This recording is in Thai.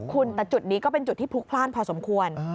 คุณแต่จุดนี้ก็เป็นจุดที่พลุกพลาดพอสมควร